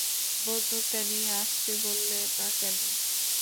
বন্দুকটা নিয়ে আসতে বললে না কেন?